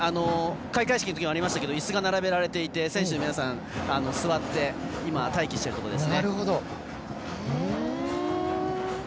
開会式のときにもありましたけどいすが並べられていて選手の皆さん座って待機しているところです。